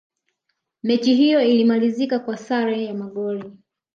mechi hiyo ilimalizika kwa sare ya magoli